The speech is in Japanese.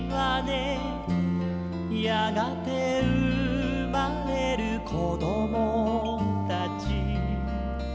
「やがてうまれるこどもたち」